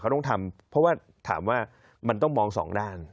เขาต้องทำเพราะว่าถามว่ามันต้องมองสองด้าน